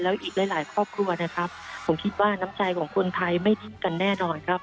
อีกหลายครอบครัวนะครับผมคิดว่าน้ำใจของคนไทยไม่ทิ้งกันแน่นอนครับ